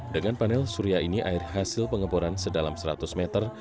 dengan panel surya ini air hasil pengeboran sedalam seratus meter